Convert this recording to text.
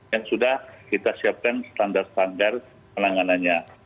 dan sudah kita siapkan standar standar penanganannya